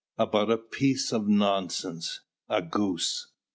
About a bit of nonsense a goose.